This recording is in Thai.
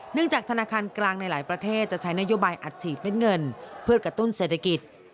จากธนาคารกลางในหลายประเทศจะใช้นโยบายอัดฉีดเม็ดเงินเพื่อกระตุ้นเศรษฐกิจ